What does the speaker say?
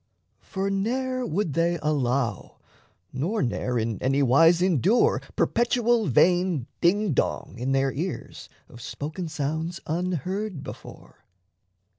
For ne'er would they Allow, nor ne'er in anywise endure Perpetual vain dingdong in their ears Of spoken sounds unheard before.